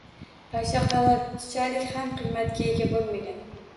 Pashsha qanotichalik ham qiymatga ega bo‘lmagan